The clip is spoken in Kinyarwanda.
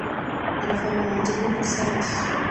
abafana banjye muri rusange,